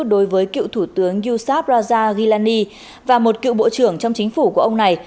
đối với cựu thủ tướng yusa raja gilani và một cựu bộ trưởng trong chính phủ của ông này